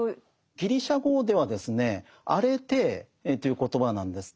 ギリシャ語ではですね「アレテー」という言葉なんです。